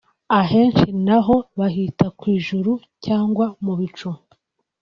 ahenshi naho bahita kw’i-Juru cyangwa mu bicu